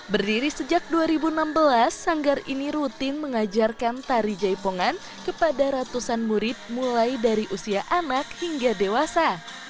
berdiri sejak dua ribu enam belas sanggar ini rutin mengajarkan tari jaipongan kepada ratusan murid mulai dari usia anak hingga dewasa